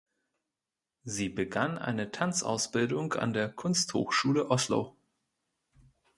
Sie begann eine Tanzausbildung an der Kunsthochschule Oslo.